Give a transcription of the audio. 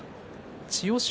千代翔